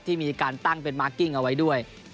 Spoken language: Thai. ที่มีการตั้งเป็นมาร์คกิ้งเอาไว้ด้วย